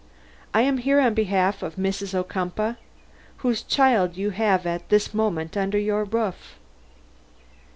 I am here on behalf of Mrs. Ocumpaugh, whose child you have at this moment under your roof."